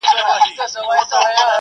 او ورپسې د ژمي سوړ موسم !.